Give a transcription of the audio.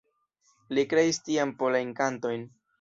Li kreis tiam "Polajn Kantojn".